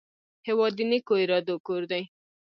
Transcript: هېواد د نیکو ارادو کور دی.